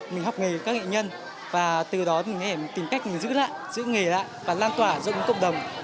mình học nghề với các nghệ nhân và từ đó mình tìm cách giữ nghề lại và lan tỏa giữa những cộng đồng